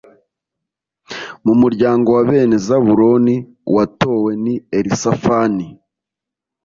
mu muryango wa bene zabuloni, uwatowe ni elisafani